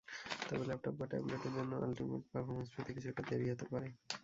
তবে ল্যাপটপ বা ট্যাবলেটের জন্য আলটিমেট পারফরম্যান্স পেতে কিছুটা দেরি হতে পারে।